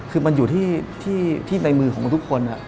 คือมันอยู่ที่ในมือของมันทุกคน